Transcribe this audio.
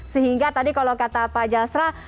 sehingga tadi kalau kata pak jasra